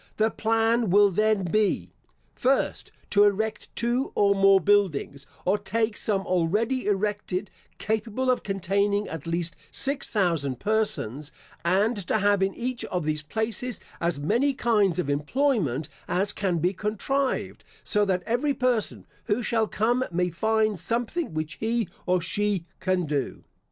The plan will then be: First, To erect two or more buildings, or take some already erected, capable of containing at least six thousand persons, and to have in each of these places as many kinds of employment as can be contrived, so that every person who shall come may find something which he or she can do.